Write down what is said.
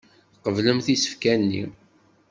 Tqeblemt isefka-nni.